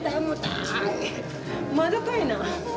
まだかいな？